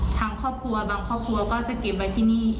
ทางครอบครัวบางครอบครัวก็จะเก็บไว้ที่นี่